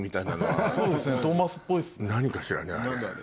何かしらね？